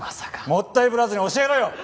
もったいぶらずに教えろよ！